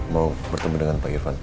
mau bertemu dengan pak irfan